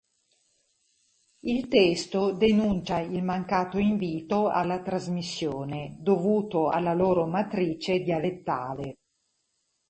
Il testo denuncia il mancato invito alla trasmissione, dovuto alla loro matrice dialettale.